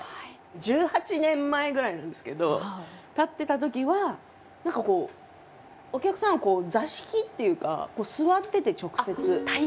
１８年前ぐらいなんですけど立ってたときは何かこうお客さんは座敷っていうか座ってて直接。